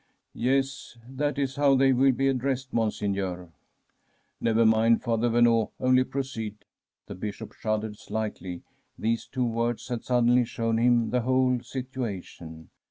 ' Yes, that is how they will be addressed, Mon seigneur.' ' Never mind. Father Verneau, only proceed.' The Bishop shuddered slightly; these two words had suddenly shown him the whole situa tion.